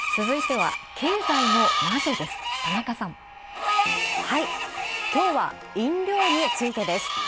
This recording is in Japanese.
はい、きょうは飲料についてです。